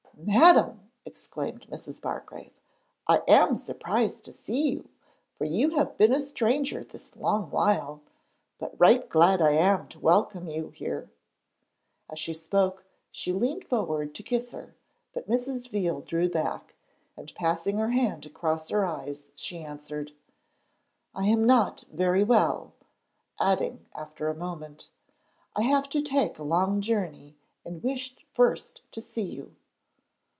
'Madam,' exclaimed Mrs. Bargrave, 'I am surprised to see you, for you have been a stranger this long while, but right glad I am to welcome you here.' As she spoke, she leaned forward to kiss her, but Mrs. Veal drew back, and passing her hand across her eyes, she answered: 'I am not very well;' adding after a moment, 'I have to take a long journey, and wished first to see you.'